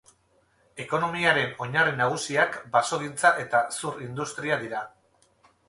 Ekonomiaren oinarri nagusiak basogintza eta zur industria dira.